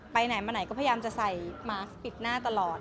ไปไหนมาไหนก็พยายามจะใส่มาสปิดหน้าตลอด